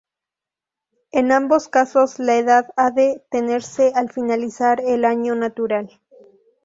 En ambos casos, la edad ha de tenerse al finalizar el año natural.